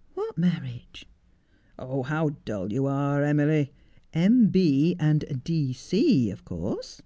' What marriage 1 '' How dull you are, Emily ! M. B. and D. C, of course.'